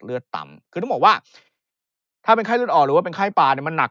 เลือดต่ำถ้าเป็นไข้เลือดออกหรือว่าเป็นไข้ป่ามันหนัก